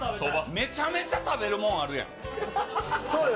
めちゃめちゃ食べるもんあるそうよ。